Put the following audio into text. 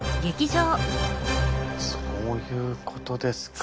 そういうことですか？